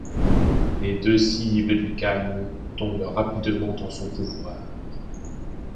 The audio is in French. Les deux cibles du khan tombent rapidement en son pouvoir.